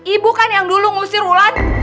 ibu kan yang dulu ngusir ulan